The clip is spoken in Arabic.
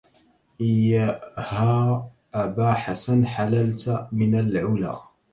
إيها أبا حسن حللت من العلى